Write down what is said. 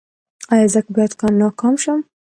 ایا زه باید ناکام شم؟